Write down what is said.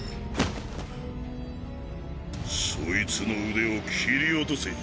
そいつの腕を切り落とせ。